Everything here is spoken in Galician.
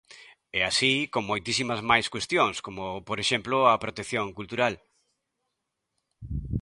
E así con moitísimas máis cuestións, como, por exemplo, a protección cultural.